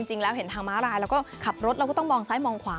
จริงแล้วเห็นทางม้าลายแล้วก็ขับรถเราก็ต้องมองซ้ายมองขวา